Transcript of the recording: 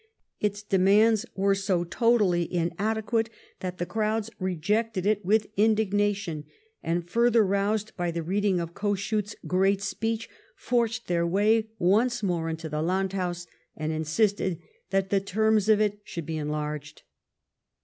Its demands were so totally inadequate that the crowd rejected it with indignation ; and, further roused by the reading of Kossuth's great speech, forced their way once more into the Landhaus, and insisted that the terms of it should be enlarged.